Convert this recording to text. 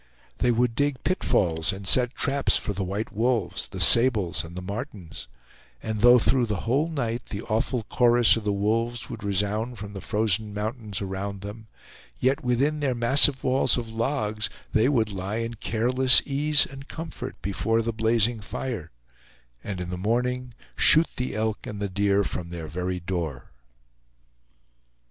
They would dig pitfalls, and set traps for the white wolves, the sables, and the martens, and though through the whole night the awful chorus of the wolves would resound from the frozen mountains around them, yet within their massive walls of logs they would lie in careless ease and comfort before the blazing fire, and in the morning shoot the elk and the deer from their very door.